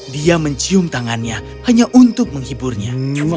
dia mencium tangannya hanya untuk menghiburnya